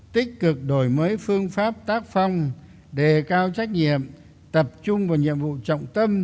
tích cực đổi mới phương pháp tác phong đề cao trách nhiệm tập trung vào nhiệm vụ trọng tâm